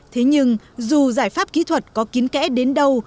thế nhưng dù giải pháp kỹ thuật có kiến kẽ đến đâu